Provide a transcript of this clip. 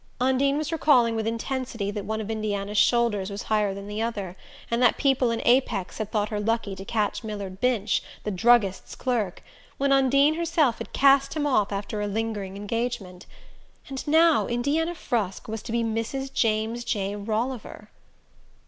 Undine was recalling with intensity that one of Indiana's shoulders was higher than the other, and that people in Apex had thought her lucky to catch Millard Binch, the druggist's clerk, when Undine herself had cast him off after a lingering engagement. And now Indiana Frusk was to be Mrs. James J. Rolliver!